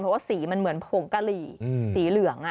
เพราะว่าสีมันเหมือนผงกะหรี่สีเหลือง